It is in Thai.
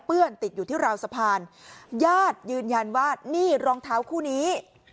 ติดอยู่ที่ราวสะพานญาติยืนยันว่านี่รองเท้าคู่นี้